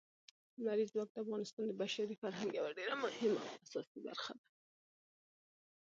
لمریز ځواک د افغانستان د بشري فرهنګ یوه ډېره مهمه او اساسي برخه ده.